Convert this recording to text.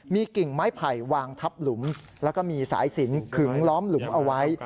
มีกิ่งไม้ไผ่วางทับหลุมแล้วก็มีสายสินขึงล้อมหลุมเอาไว้